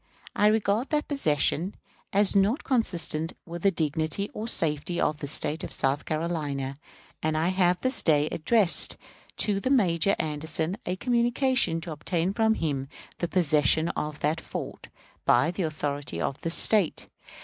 I regard that possession as not consistent with the dignity or safety of the State of South Carolina; and I have this day addressed to Major Anderson a communication to obtain from him the possession of that fort, by the authorities of this State.